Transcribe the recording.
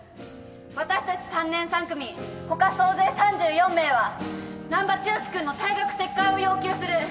私たち３年３組他総勢３４名は難破剛君の退学撤回を要求する。